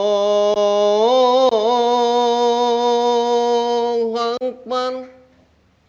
kalian tunggu teman teman dulu ya